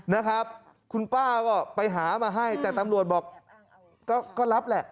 นะครับคุณป้าก็ไปหามาให้แต่ตำรวจบอกก็รับแหละ